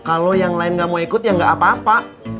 itu aja tidak apa apa